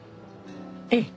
ええ。